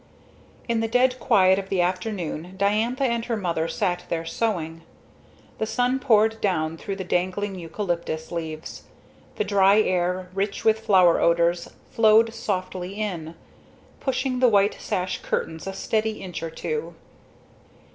In the dead quiet of the afternoon Diantha and her mother sat there sewing. The sun poured down through the dangling eucalyptus leaves. The dry air, rich with flower odors, flowed softly in, pushing the white sash curtains a steady inch or two.